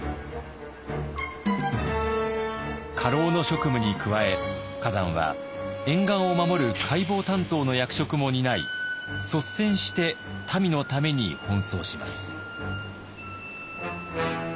家老の職務に加え崋山は沿岸を守る海防担当の役職も担い率先して民のために奔走します。